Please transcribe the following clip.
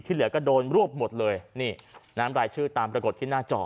เหลือก็โดนรวบหมดเลยนี่น้ำรายชื่อตามปรากฏที่หน้าจอ